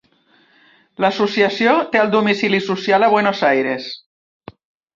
L'associació té el domicili social a Buenos Aires.